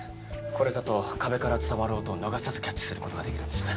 これだと壁から伝わる音を逃さずキャッチすることができるんです。